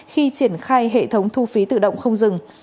khi triển khai hệ thống thu phí tự động không dừng